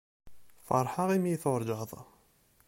Feṛḥeɣ imi iyi-tuṛǧaḍ.